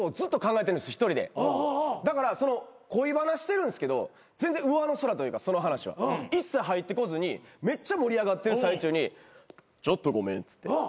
だから恋バナしてるんですけど全然上の空というかその話は一切入ってこずにめっちゃ盛り上がってる最中にちょっとごめんっつって。